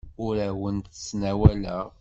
Ur awent-d-ttnawaleɣ.